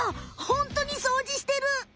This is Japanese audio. ホントにそうじしてる！